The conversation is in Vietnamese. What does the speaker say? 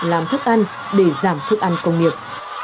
làm thức ăn để giảm thức ăn công nghiệp